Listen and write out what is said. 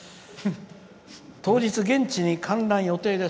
当日、現地に観覧予定です」。